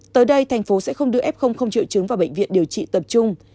tới đây thành phố sẽ không đưa f triệu chứng vào bệnh viện điều trị tập trung